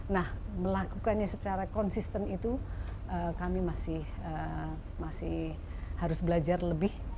nah melakukannya secara konsisten itu kami masih harus belajar lebih